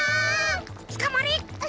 つかまれ！